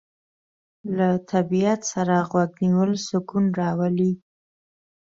له طبیعت سره غوږ نیول سکون راولي.